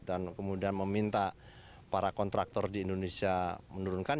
dan kemudian meminta para kontraktor di indonesia menurunkan